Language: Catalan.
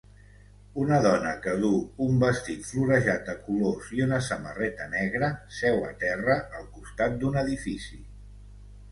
Una dona que duu un vestit florejat de colors i una samarreta negra seu a terra al costat d'un edifici.